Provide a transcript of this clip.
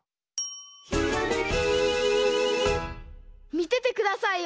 「ひらめき」みててくださいよ！